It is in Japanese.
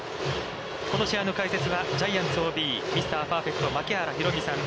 この試合の解説は、ジャイアンツＯＢ、ミスターパーフェクト槙原寛己さん。